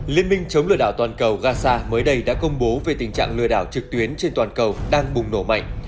liên minh chống lừa đảo toàn cầu gaza mới đây đã công bố về tình trạng lừa đảo trực tuyến trên toàn cầu đang bùng nổ mạnh